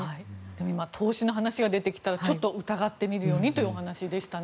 今、投資の話が出てきたらちょっと疑ってみるようにというお話でしたね。